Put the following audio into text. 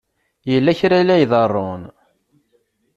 Yella kra ay la iḍerrun.